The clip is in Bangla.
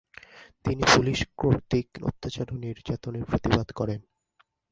তিনি পুলিশ কর্তৃক অত্যাচার ও নির্যাতনের প্রতিবাদ করেন।